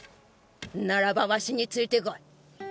ならばワシについてこい。